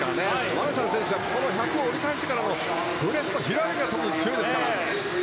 マルシャン選手はこの１００を折り返してからのブレスト、平泳ぎが強いですからね。